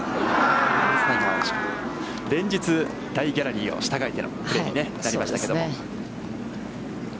連日、大ギャラリーを従えてもプレーになりましたけども。